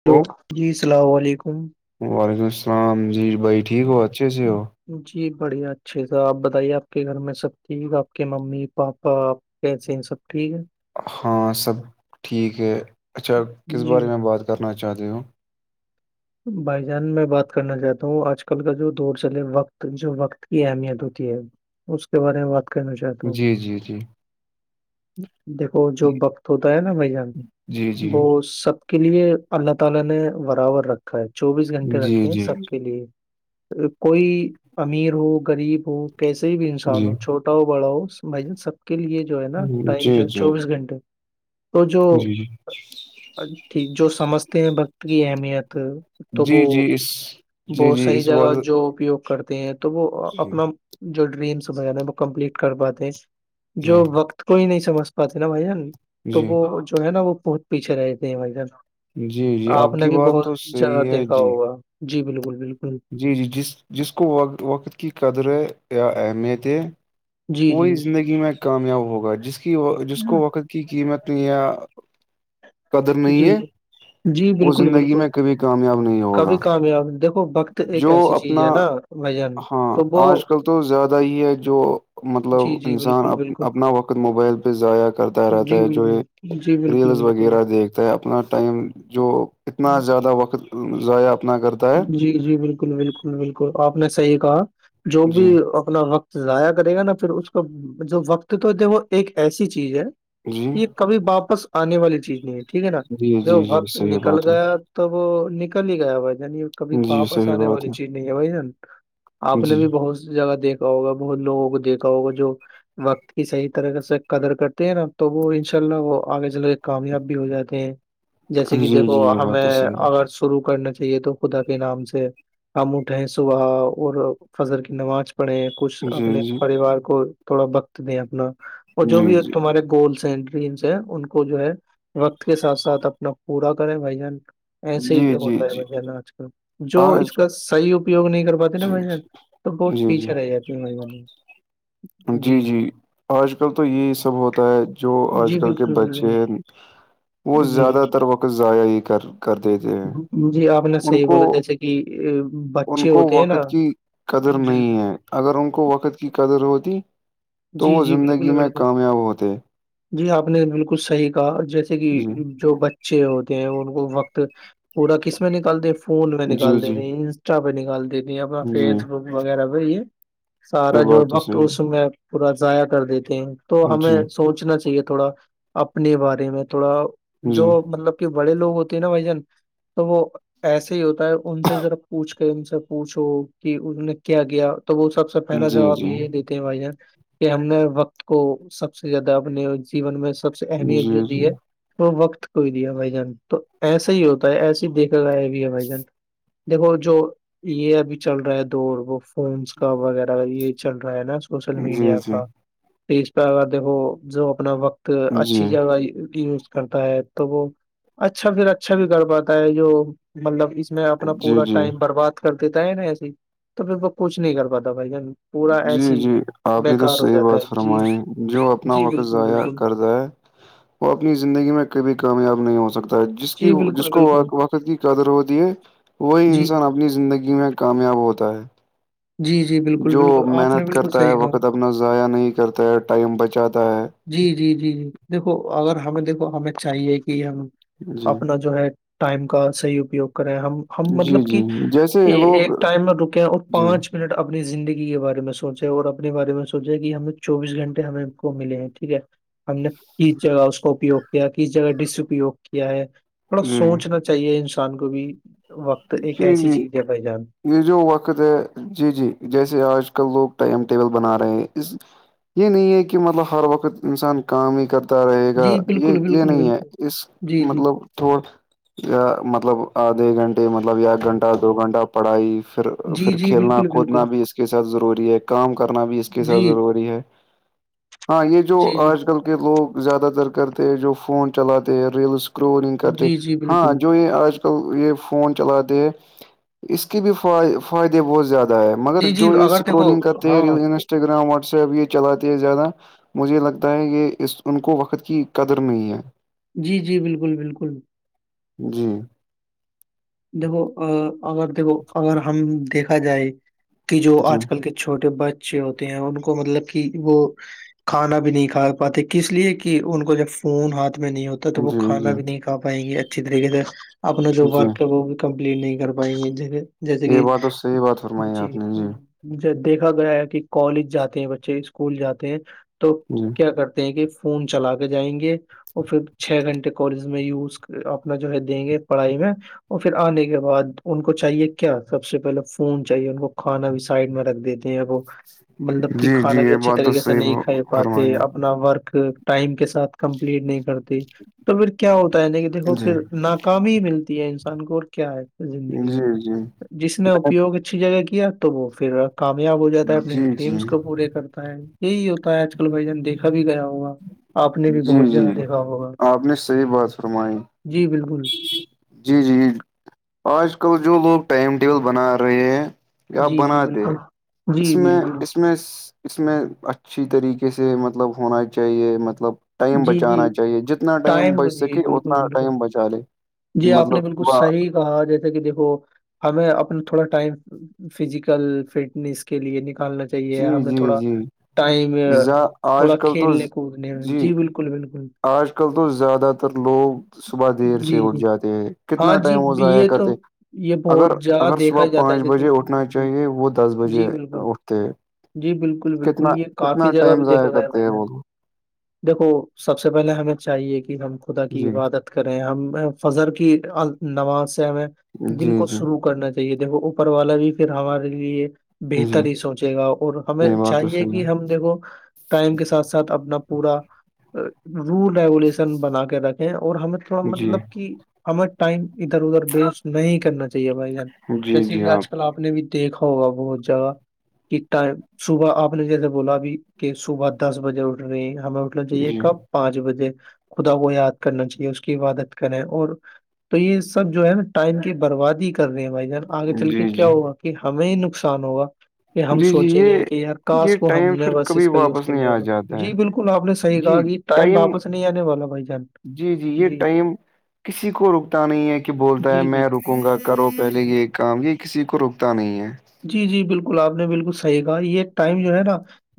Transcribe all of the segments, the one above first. Hello جی السلام علیکم وعلیکم السلام جیر بھائی ٹھیک ہو اچھے سے ہ ہو ہ [inaudible] جی بڑھیا اچھے تھا آپ بتائیے آپ کے گھر میں سب ٹھیک آپ کے ممی پاپا کیسے ہیں سب ٹھیک ہے ہاں سب ٹھیک ہے اچھا کس جی بارے میں بات کرنا چاہ رہتی ہوں بھائی جان میں بات کرنا چاہتا ہوں آج کل کا جو دور چلے وقت جو وقت کی اہمیت ہوتی ہے اس کے بارے میں بات کرنا چاہتا ہوں جی جی جی دیکھو جو وقت ہوتا ہے نا بھ جان جی جی وہ سب [inaudible] جی جی کوئی امیر ہو غریب ہو کیسے بھی انسان جی ہو چھوٹ ہٹاؤ بڑاؤ بھ سب کے لیے جو ہے نا ٹائم جی جو ہے چوبیس گھنٹے تو جی جی جوٹھیک جو سمجھتے ہیں وقت کی اہمیت تو وہ جی جی اس وہ جی جی صحی اس جگہ وال جو اپیگ کرتے ہیں تو وہ جی اپنا جو ڈریمس ہو جا وہ کمپلیٹ کر پاتے ہیں جو جی وقت کوئی نہیں سمجھ پاتے نا بھائی جن تو جی وہ جو ہے نا وہ بہت پیچھے رہتے ہیں بھ جن جی جی آپ کی بات تو ج صحیح ہے دیکھا جی ہوگا جی بالکل بالکل جی جی جس جس کو وقت کی قدر یا اہمیتیں جی جی وہی زندگی میں کامیاب ہوگا جس کی جس کو وقت کی قیمت یا قدر جی نہیں ہے جی وہ زندگی میں کبھی کامیاب نہیں ہوگا آپ دیکو جو اپنا جان ہاں تو وہ آج کل تو زیادہ ہی ہے جو جی مطلب جی انسان بالکل اپ بالکل اپنا وقت موبائل پہ ضائع کرتا رہتا جی ہے جو بالکل یہ جی بالکل ریلز بالکل وغیرہ دیکھتا ہے اپنا ٹائم جو اتنا زیادہ وقت ضائع اپنا کرتا ہے جی جی بالکل بالکل بالکل آپ نے صحیح کہا جو بھی جی اپنا وقت ضائع کرے گا نا پھر اس کو جو وقت تو د وہ ایک ایسی چیز ہے جی یہ کبھی واپس آنے والی چیز نہیں ہے ٹھیک ہے نا جی جو جی جی وقت صحیح نکل بات ہے گیا توب وہ نکل ہی گیا ب یعنی کبھی جی واپس صحیح آنے بات والی چیز نہیں ہے بھائی جان آپ نے جی بھی بہت س جگہ دیک دیکھا ہوگا بہت لوگوں کو دیکھا ہوگا جو وقت کی صح طریقے سے قدر کرتے ہیں نا تو وہ ان شاء اللہ وہ آگے چل کے کامیاب بھی ہو جاتے ہیں جیسے کہ جی جی دیکھو یہ بات تو ہمیں صحیح اگر شروع کرنا چاہیے تو خدا کے نام سے ہم اٹھے صبح اور فضر کی نماز پڑھیں کچھ ہے جی اپنے جی پریوار کو تھوڑا وقت دیں اپنا اور جو جی بھی جی تمہارے گولس ہیں ڈس ہے ان کو جو ہے وقت کے ساتھ ساتھ اپنا پورا کریں بھائی جان ایسے جی ہی جی ہوتا ہے جی بھائی جانا آج کل جو آج اس کا صحیح اپیوگ نہیں کر پاتے نا جی بھائی جان جی تو بہت پیچھے رہ جی ہے مج میں جی جی آج کل تو یہی سب ہوتا ہے جو آج جی کل کے بالکل بچے ہیں وہ بالکل۔ جی زیادہ تر وقت ضائع ہی کر کر دیتے ہیں جی آپ نے ان صحیح کو بولا جیسے کہ ان بچے کو ہوتے ہیں نا وقت کی قدر جی نہیں ہے اگر ان کو وقت کی قدر ہوتی تو جی وہ جی زندگی بالکل میں بالکل کامیاب ہوتے جی آپ نے بالکل صحیح کہا جیسے کہ جی جو ب اچے ہوتے ہیں ان کو وقت پورا کس میں نکالتے فون میں جی نکال جی دیتے ٹا پہ نکال دیتی ہے اپنا جی فیس بک وغیرہ پہ یہ سارا یہ جو بات تو وقت صحیح اس میں پورا ضائع کر دیتے ہیں تو ہے ہمیں جی سوچنا چاہیے تھوڑا اپنے بارے میں تھوڑا جو جی مطلب کہ بڑے لوگ ہوتے ہیں نا بھائی جان تو وہ ایسے ہی ہوتا ہے ان سے ذرا پوچھ کے ان سے پوچھو کہ ان نے کیا کیایا تو وہ سب سے س سے جی پہلا جی جواب یہ دیتے ہیں بھائی جان کہ ہم نے وقت کو سب سے زیادہ اپنے جیون میں سب سے اہمیت جو جی جی دی ہے وہ وقت کو ہی دیا بھائی جان تو ایسا ہی ہوتا ہے ایسے ہی دیکھے گا ہے اب ہم بھائی جنٹ دیکھو جو یہ ابھی چل رہا ہے دور وہ فونس کا وغیرہ یہ چل رہا ہے نا سوشل جی جی میڈیا کا تو اس پہ اگر دیکھو جو اپنا وقت تو جی اچھی جگہ گ کرتا ہے تو وہ اچھا پھر اچھا بھی کر پاتا ہے جو مطلب اس میں اپنا جی پورا جی ٹائم برباد کرتےتا ہے ن ای تو پھر کچھ نہیں کر پاتتا بھائی ج جی جی آپ نے تو صحیح جاتا بات ہے جی فرمائی جو اپنا جی وقت بالکل ضائع بالکل کرتا ہے وہ اپنی زندگی میں کبھی کامیاب نہیں ہو سکتا جس کی جی جس بالکل کو بالکل وقت کی قدر ہوتی ہے وہی جی انسان اپنی زندگی میں کامیاب ہوتا ہے جی جی بالکل بالکل آپ نے بالکل صحیح کہا اپتنا ضائع نہیں کرتا ہے ٹائم بچاتا ہے جی جی جی جی دیکھو اگر ہمیں دیکھو ہمیں چاہیے کہ ہم جی اپنا جو ہے ٹائم کا صحیح اپیوگ کریں ہم ہم جی مطلب جی کہ جیسے لوگ ایک ٹائم میں رکے ہیں اور جی پانچ منٹ اپنی زندگی کے بارے میں سوچیں اور اپنے بارے میں سوچیں کہ ہمیں چوبیس گھنٹے ہمیں کو ملے ہیں ٹھیک ہے ہم نے کس جگہ اس کو اپیوگ کیا کس جگہ ڈسیوگ کیا ہے بڑا جی سوچنا چاہیے انسان کو بھی وقت ایک جی ایسی جی چیز ہے بائی جان یہ جو وقت ہے جی جی جیسے آج کل لوگ ٹائم ٹیبل بنا رہے ہیں اس یہ نہیں ہے کہ مطلب ہر وقت انسان کام ہی کرتا رہے گا جی یہ بالکل یہ بالکل نہیں ہے بالکل اس جی جی مطلب تھوڑ مطلب آدھے گھنٹے مطلب ایک گھنٹہ دو گھنٹہ پڑھائی پھر جی پھر جی کھیلنا بالکل کودنا بالکل بھی اس کے ساتھ ضروری ہے کام کرنا بھی اس کے ساتھ جی ضروری ہے [unintelligible] ہاں یہ جو جی جی آج کل کے لوگ زیادہ تر کرتے ہیں جو فون چلاتے ہیں ریلس کرنگ کرتے جی جی ہاں بالکل جو یہ آج کل یہ فون چلاتے ہیں اس کے بھی ف فائدے بہت زیادہ مگر جی جی جو یہ اگر دیکھو اسکرولنگ کرتے ہیں ہاں ریل انسٹاگرام واٹس ایپ یہ چلاتے ہے زیادہ مجھے لگتا ہے یہ اس ان کو وقت کی قدر نہیں ہے جی جی بالکل بالکل جی دیکھو اگر دیکھو اگر ہم دیکھا جائے کہ جو جی آج کل کے چھوٹے بچے ہوتے ہیں ان کو مطلب کہ وہ کھانا بھی نہیں کھا پاتے کس لیے کہ ان کو جب فون ہاتھ میں نہیں ہوتا تو وہ جی کھانا بھی جی نہیں کا پائیں گے اچھی طریقے سے اپنا جو جی ہے وہ بھی کمپلیٹ نہیں کر پائیں گے ج جیسے یہ کہ بات تو صحیح بات فرمائی ج آپ نے جی ج دیکھا گیا ہے کہ کالج جاتے ہیں بچے اسکول جاتے ہیں تو جی کیا کرتے ہیں کہ فون چلا کے جائیں گے وہ پھر چھ گھنٹے کالج میں یز اپنا جو ہے دیں گے پڑھائی میں اور پھر آنے کے بعد ان کو چاہیے کیا سب سے پہلے فون چاہیے ان کو کھانا بھی سائڈ میں رکھ دیتے وہ مطلب کہ جی جی کھانا بھی یہ اچھھی بات تو طریقے سے صحیح نہیں کھا فرمائی پاتے آپ اپنا ورک ٹائم کے ساتھ کمپلیٹ نہیں کرتی تو پھر کیا ہوتا ہے کہ نے دیکھو جی پھر ناکامی ملتی ہے انسان کو اور کیا ہے زندگی میں جی جی جس نے اپیوگ اچھی جگہ کیا تو وہ پھر کامیاب ہو جاتا ہے اپنے جی ڈریمس جی کو پورے کرتے ہوتا ہے یہی ہوتا ہے آج کل بھائی جان دیکھا بھی گیا ہوا آپ نے بھی جی بہت جیاگہ جی دیکھا ہوگا آپ نے صحیح بات فرمائی جی بالکل جی جی آج کل جو لوگ ٹائم ٹیبل بنا رہے ہیں یا جی جی بنا دے بالکل جی اس میں بالکل اس اس میں اس میں اچھی طریقے سے مطلب ہونا چاہیے مطلب ٹائم جی جی بچانا چاہیے جتنا ٹائم بچ جی سکے بالکل اتنا بالکل ٹائم بچ جی آپ نے مطلب بالکل صبح صحیح کہا جیسے کہ دیکھو ہمیں اپنا تھوڑا ٹائم فزیکل فٹنیس کے لیے نکالنا چاہیے چاہیے جی ہمیں جی تھوڑا جی ٹائم آج تھوڑا کل تو کھیلنے کودنے میں جی جی بالکل بالکل آج کل تو زیادہ تر لوگ صبح دیر سے جی اٹھ جی جاتے ہیں ہاں کتنا ٹائم جی وہ ضائع یہ تو کرتے یہ اگر بہت جگہ اگر صبح دیکھا جاتا ہے پانچ جیسے بجے اٹھنا چاہیے وہ دس بجے جی بالکل اٹھتے ہے جی بالکل کتنا بالکل یہ کتنا کافی جگہ ٹائم بھی ضایا دیکھا گیا ہے کرتے میں ہیں نے وہ دیکھو سب سے پہلے ہمیں چاہیے کہ ہم خدا کی جی عبادت کریں ہم فضر کی نماز سے ہمیں دن جی کو جی شروع کرنا چاہی چیے دیکو اوپر والا بھی پھر ہمارے لیے جی بہتر ہی سوچے گا اور ہمیں یہ بات تو چاہیے صحیح کہ ہم دیکھو ٹائم کے ساتھ ساتھ اپنا پورا رول ریگولیشن بنا کے رکھیں اور ہمیں تھوڑا ہے جی مطلب کہ ہمیں ٹائم ادھر ادھر ویسٹ نہیں کرنا چاہی ی ہے بھائی ج جی ویسے جی کہ آج کل آپ نے بھی دیکھا ہوگا بہت جگہ کہ ٹائم صبح آپ نے جیسے بولا اب کہ صبح دس بجے اٹھ رہے ہیں ہم نا چاہیے جی کب پانچ بجے خدا وہ یاد کرنا چاہیے اس کی عبادت کریں اور تو یہ سب جو ہے نا ٹائم کی بربادی کر رہے ہیں بھائی جان آگے چل کے جی کیا جی ہوا کہ ہمیں ہی نقصان ہوگا کہ ہم جی جی سوچیں گے یہ کہ یار کاس یہ کو ہم ٹائم نے پھر بس کبھی اس کا یوز واپس کر نہیں لیا آ ہوگا جاتا ہے جی بالکل آپ نے گا جی کہ ائم ٹائم واپس نہیں آنے والا بھائی جان جی یہ جی ٹائم کسی کو رکتا نہیں ہے کہ بولتا ہے جی میں جی رکوں گا کرو پہلے یہ کام یہ کسی کو روکتا نہیں ہے جی جی بالکل آپ نے بالکل صحیح کہا یہ ٹائم جو ہے نا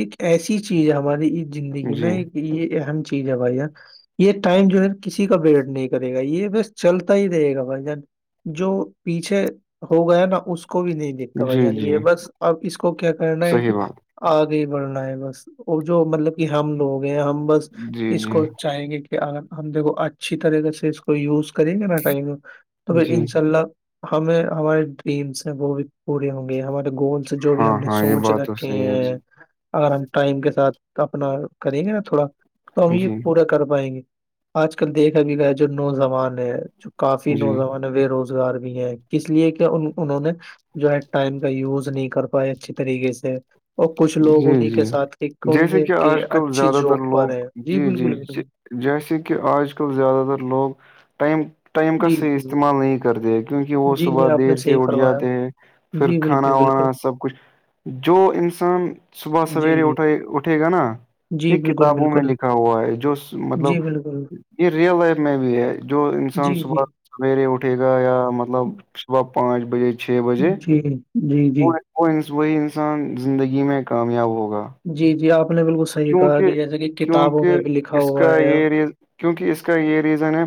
ایک ایسی چیز ہے ہماری زندگی میں جی ایک یہ اہم چیز ہے بھائی یہ ٹائم جو ہے نا کسی کا ویٹ نہیں کرے گا یہ بس چلتا ہی رہے گا بھائی جان جو پیچھے ہو گیا نا اس کو اس کو بھی نہیں دیکھتا بھائی جی جان جی یہ بس اب اس کو کیا کرنا ہے کہ صحیح بات آگے بڑھنا ہے بس وہ جو مطلب کہ ہم لوگ ہیں ہم بس جی اس جی کو چاہیں گے کہ کہ اگر ہم دیکھو اچھی طریقے سے اس کو یوز کریں گے نہ کہیں گے تو پھر جی انشاء اللہ ہمیں ہمارے ڈریمس ہیں وہ بھی پوری ہوں گی ہمارے گولس جو بھی ہم ہاں نے ہاں یہ سوچ را بات تو کہ صحیح ہے جی اگر ہم ٹائم کے ساتھ اپنا کریں گے نا تھوڑا تو ہم یہ جی پورا کر پائیں گے آج کل دیکھا بھی گا جو نوجوان ہے جو کافی جی نوجوان بے روزگار بھی ہے اس لیے کیا انہوں نے جو ہے ٹائم کا یوز نہیں کر پاائے اچھی طریقے سے اور کچھ لوگ جی انہیں کے جی ساتھ ایک کون جیسے سے کہ آج کل اچھی زیادہ جاب تر لوگ پر ہیں جی بالکل بالکل جیسے کہ آج کل زیادہ تر لوگ ٹائم ٹائم کا جی صحیح جی استعمال نہیں کرتے ہیں کیونکہ وہ جی جی صبح آپ دیر نے سے صحیح اٹھ فرمایا جاتے ہیں پھر جی کھانا بالکل بالکل وانا سب کچھ جو انس شان صبح جی سویرے جی اٹھے اٹھے گا نا جی ایک بالکل کتابوں میں بالکل لکھا ہوا ہے جو جی بالکل مطلب یہ ریئل لائف میں بھی ہے جو جی انسان جی صبح سویرے اٹھے گا یا مطلب صبح پانچ بجے چھ بجے جی جی جی وہ وہی انسان زندگی میں کامیاب ہوگا جی جی آپ نے بالکل صحیح کہا کیونکہ کہ جیسے کہ کتابوں کیونکہ میں بھی لکھا اس ہوا کا ہے یہ ریز کیونکہ اس کا یہ ریزن ہے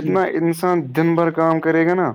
جی انسان دن بھر کام کرے گا نا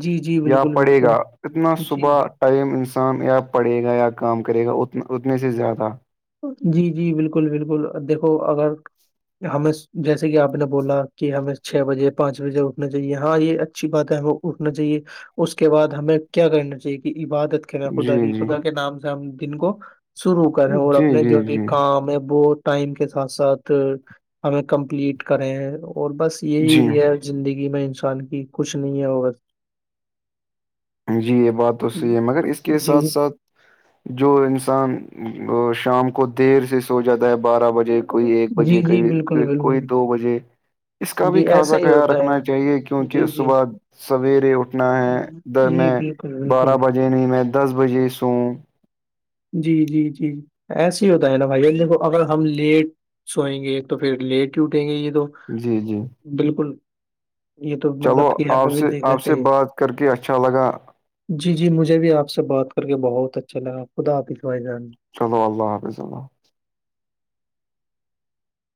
جی جی یا بالکل پڑے گا بالکل اتنا جی صبح قم انسان یا پڑھے گا یا کام کرے گا ا اتنے سے زیادہ جی جی بالکل بالکل دیکھو اگر ہمیں جیسے کہ آپ نے بولا کہ ہمیں چھ بجے پانچ بجے اٹھنا چاہیے ہاں یہ اچھی بات ہے ہمیں اٹھنا چاہیے اس کے بعد ہمیں کیا کرنا چاہیے عبادت جی خدا کی جی خدا کے نام سے ہم دن کو شروع کریں جی اور جی جی ہمیں وہ ٹائم کے ساتھ ساتھ ہمیں کمپلیٹ کریں اور بس جی یہی ہے زندگی میں انسان کی کچھ نہیں ہے وہ بس جی یہ بات تو صحیح ہے مگر اس کے جی ساتھ ساتھ جو انسان شام کو دیر سے ہو جاتا ہے بارہ بجے کوئی ایک جی بجے جی بالکل کوئی کوئی بالکل دو بجے اس کا بھی جی ایسا خاصا ہی خیال ہوتا ہے رکھنا چاہیے جی کیونکہ جی صبح سویرے اٹھنا ہے ادھر جی میں بالکل بارہ بالکل بجے نہیں میں دس بجے سووں جی جی جی جی ایس ہی ہوتا ہے نا بھائی دیکھو اگر ہم لیٹ سوئیں گے تو پھر لیٹ ہی اٹھیں گے یہ دو جی جی بالکل یہ تو مطلب چلو کہ یہاں پہ آپ بھی سے دیکھنا آپ سے چاہیے بات کر کے اچھا لگا جی جی مجھے بھی آپ سے بات کر کے بہت اچھا لگا خدا حاپظ بھائی جان چلو اللہ حافظ اللہ